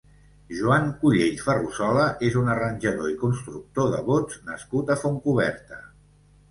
Joan Collell Ferrusola és un arranjador i constructor de bots nascut a Fontcoberta.